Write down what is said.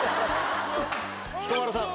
彦摩呂さん